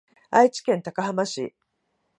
愛知県高浜市